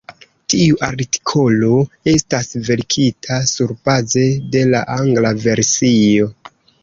Tiu artikolo estas verkita surbaze de la angla versio.